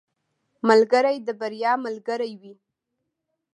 ملګری د بریا ملګری وي.